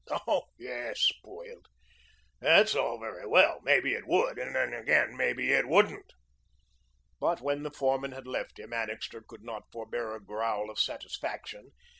"Hoh, yes, spoiled. That's all very well. Maybe it would, and then, again, maybe it wouldn't." But when the foreman had left him, Annixter could not forbear a growl of satisfaction.